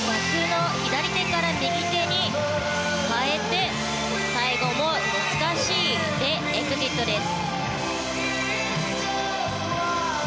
左手から右手に変えて最後も難しいイグジットです。